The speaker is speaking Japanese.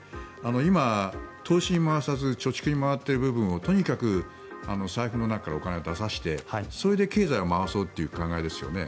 今、投資に回さず貯蓄に回っている部分をとにかく財布の中からお金を出させてそれで経済を回そうという考えですよね。